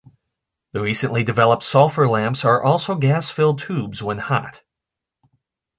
The recently developed sulfur lamps are also gas-filled tubes when hot.